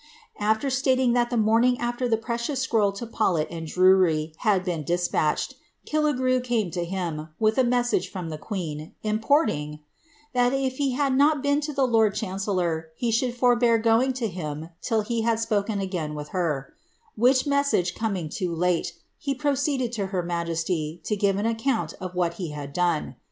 After stating that the morning after the precious scroll to Paulet and Drury had been despatched, Killigrew came to him, with a message from the queen, importing ^ that if he had not been to the lord chancel lor, he should forbear going to him till he had spoken again with her ;' which message coming too late, he proceeded to her majesty, to give an account of what he had done.